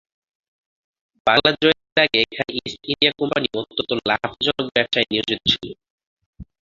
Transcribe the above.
বাংলা জয়ের আগে এখানে ইস্ট ইন্ডিয়া কোম্পানি অত্যন্ত লাভজনক ব্যবসায়ে নিয়োজিত ছিল।